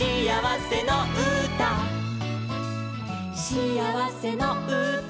「しあわせのうた」